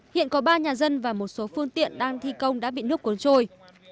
hiện có ba nhà dân và một số phương tiện đang thi công đã bị nước cuốn trôi